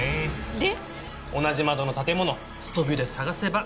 で⁉同じ窓の建物ストビュで探せば。